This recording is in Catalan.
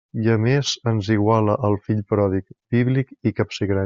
I a més ens iguala al fill pròdig, bíblic i capsigrany.